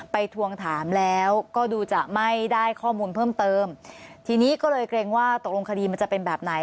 ทวงถามแล้วก็ดูจะไม่ได้ข้อมูลเพิ่มเติมทีนี้ก็เลยเกรงว่าตกลงคดีมันจะเป็นแบบไหน